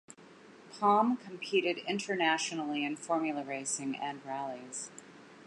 Palm competed internationally in formula racing and rallies.